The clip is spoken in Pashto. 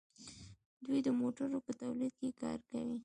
دوی د موټرو په تولید کې کار کوي.